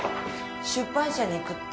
出版社に行くって。